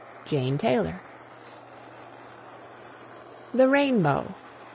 JANE TAYLOR. THE RAINBOW.